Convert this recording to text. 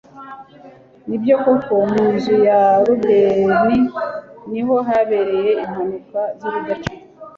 ni byo koko, mu nzu ya rubeni ni ho habereye impaka z'urudaca